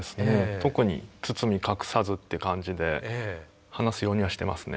特に包み隠さずって感じで話すようにはしてますね。